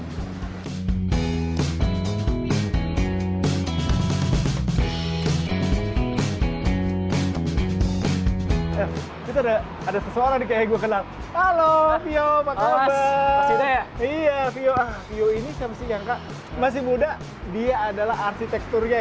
kita ada ada seseorang kayak gue kenal halo yo pak obat iya ini masih muda dia adalah arsitekturnya